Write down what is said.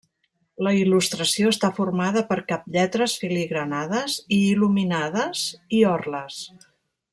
La il·lustració està formada per caplletres filigranades i il·luminades, i orles.